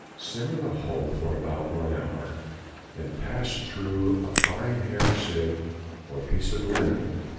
Simmer the whole for about one hour, then pass through a fine hair sieve or piece of linen.